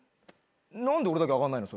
何で俺だけ上がんないの？